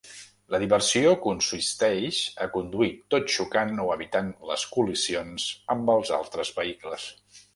La diversió consisteix a conduir tot xocant o evitant les col·lisions amb els altres vehicles.